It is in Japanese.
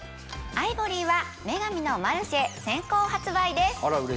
アイボリーは『女神のマルシェ』先行発売です。